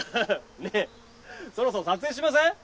ねえそろそろ撮影しません？